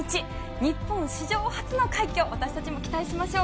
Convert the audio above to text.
日本史上初の快挙私たちも期待しましょう。